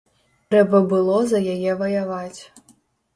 Трэба было за яе ваяваць.